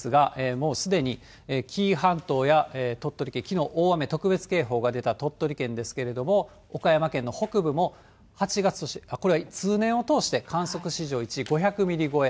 もうすでに紀伊半島や鳥取県、きのう大雨特別警報が出た鳥取県ですけれども、岡山県の北部も８月として、これは通年を通して観測史上１位、５００ミリ超え。